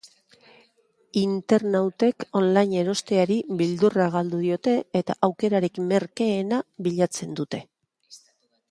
Internautek online erosteari beldurra galdu diote eta aukerarik merkeena bilatzen dute.